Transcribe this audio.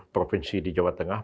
provinsi di jawa tengah